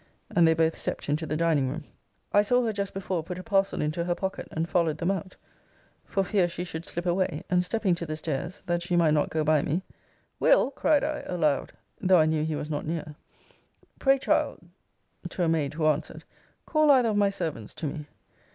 And they both stepped into the dining room. I saw her just before put a parcel into her pocket; and followed them out, for fear she should slip away; and stepping to the stairs, that she might not go by me, Will., cried I, aloud [though I knew he was not near] Pray, child, to a maid, who answered, call either of my servants to me.